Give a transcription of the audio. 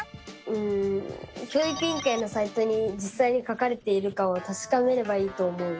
うん教育委員会のサイトにじっさいに書かれているかをたしかめればいいと思う！